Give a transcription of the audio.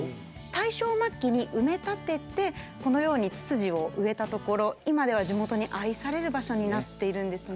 大正末期に埋め立ててこのようにつつじを植えたところ今では地元に愛される場所になっているんですね。